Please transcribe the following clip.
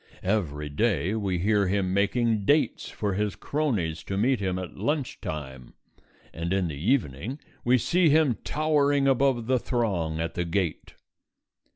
Every day we hear him making dates for his cronies to meet him at lunch time, and in the evening we see him towering above the throng at the gate.